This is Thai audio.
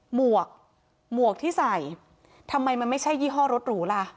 หวกหมวกที่ใส่ทำไมมันไม่ใช่ยี่ห้อรถหรูล่ะ